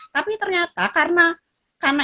tapi ternyata karena